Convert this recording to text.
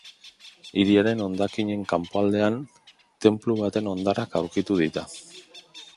Hiriaren hondakinen kanpoaldean, tenplu baten hondarrak aurkitu dira.